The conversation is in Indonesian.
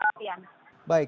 baik terima kasih